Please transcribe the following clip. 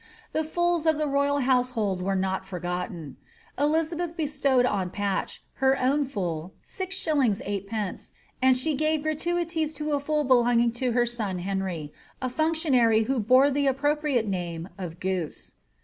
The fools of the royal houseliold were not forgotten : Elizabeth bestowed on Patch, her own fool, 6s, 9d,y and she gave gratuities to a fool belonging to her son Henry, a functionary who bore the appropriate name of Goose.